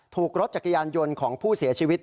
ถูกรถจักรยานยนต์ของผู้เสียชีวิต